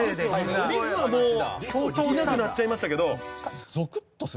リスはもういなくなっちゃいましたけど。